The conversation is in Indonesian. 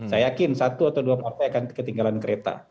saya yakin satu atau dua partai akan ketinggalan kereta